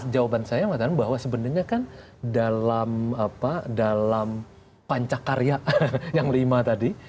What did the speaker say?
jawaban saya mengatakan bahwa sebenarnya kan dalam pancakarya yang lima tadi